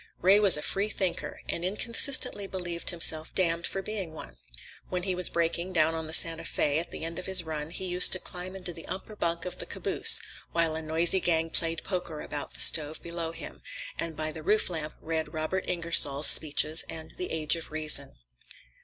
Ray was a freethinker, and inconsistently believed himself damned for being one. When he was braking, down on the Santa Fé, at the end of his run he used to climb into the upper bunk of the caboose, while a noisy gang played poker about the stove below him, and by the roof lamp read Robert Ingersoll's speeches and "The Age of Reason."